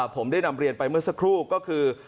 ผมได้นำเรียนไปเมื่อสักครู่ก็คือ